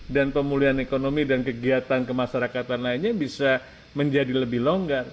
dan pemulihan ekonomi dan kegiatan kemasyarakatan lainnya bisa menjadi lebih longgar